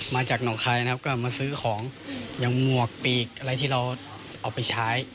มาจากหนองคายนะครับก็มาซื้อของอย่างหมวกปีกอะไรที่เราเอาไปใช้